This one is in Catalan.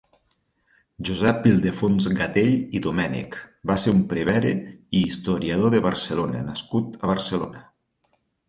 Josep Ildefons Gatell i Domènech va ser un prevere i historiador de Barcelona nascut a Barcelona.